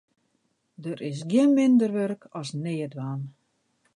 Der is gjin minder wurk as neatdwaan.